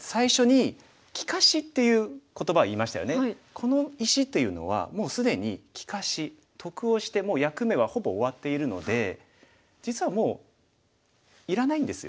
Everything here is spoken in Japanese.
この石というのはもう既に利かし得をして役目はほぼ終わっているので実はもういらないんですよ。